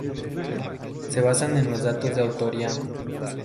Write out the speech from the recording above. Se basan en los datos de autoría.